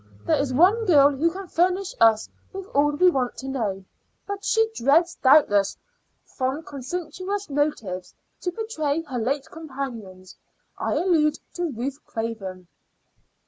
There is one girl who can furnish us will all we want to know, but she dreads, doubtless from conscientious motives, to betray her late companions. I allude to Ruth Craven."